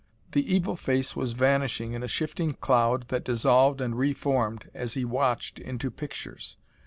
The evil face was vanishing in a shifting cloud that dissolved and reformed, as he watched, into pictures.